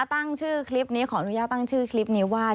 ตั้งชื่อคลิปนี้ขออนุญาตตั้งชื่อคลิปนี้ว่า